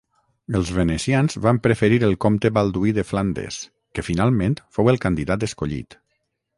Els venecians van preferir el comte Balduí de Flandes, que finalment fou el candidat escollit.